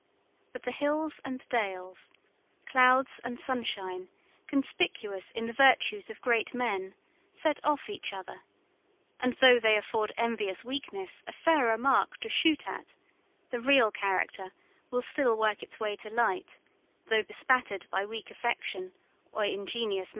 But the hills and dales, clouds and sunshine, conspicuous in the virtues of great men, set off each other; and though they afford envious weakness a fairer mark to shoot at, the real character will still work its way to light, though bespattered by weak affection, or ingenious malice.